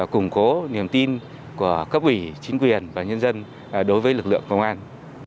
củng cố niềm tin của cấp ủy chính quyền và nhân dân đối với lực lượng công an